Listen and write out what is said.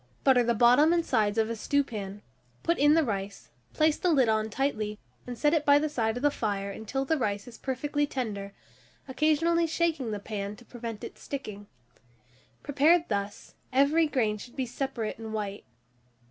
Butter the bottom and sides of a stewpan, put in the rice, place the lid on tightly, and set it by the side of the fire until the rice is perfectly tender, occasionally shaking the pan to prevent its sticking. Prepared thus, every grain should be separate and white.